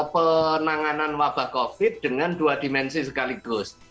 penanganan wabah covid dengan dua dimensi sekaligus